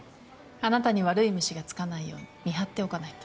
あなたに悪い虫がつかないように見張っておかないと。